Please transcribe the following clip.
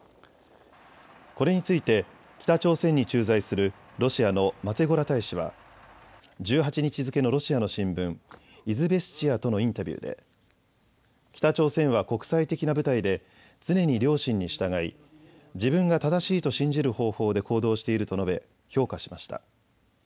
これについて北朝鮮に駐在するロシアのマツェゴラ大使は１８日付けのロシアの新聞、イズベスチヤとのインタビューで、北朝鮮は国際的な舞台で常に良心に従い、自分が正しいと信じる方法で行動していると述べ評価しました。